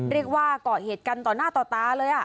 เรียกว่าก่อเหตุกันต่อหน้าต่อตาเลย